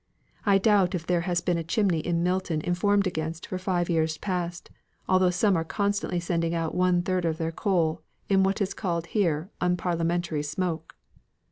I doubt if there has been a chimney in Milton informed against for five years past, although some are constantly sending out one third of their coal in what is called here unparliamentary smoke."